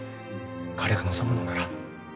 彼が望むのなら